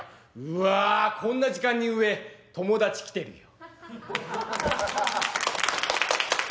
「うわこんな時間に上友達来てるよ」。